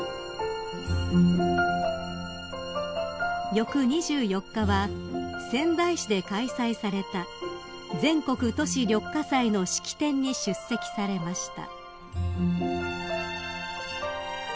［翌２４日は仙台市で開催された全国都市緑化祭の式典に出席されました］